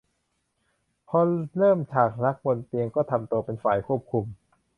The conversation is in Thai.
พอเริ่มฉากรักบนเตียงก็ทำตัวเป็นฝ่ายควบคุม